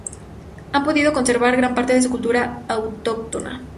Han podido conservar gran parte de su cultura autóctona.